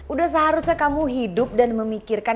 udah seharusnya kamu hidup dan memikirkan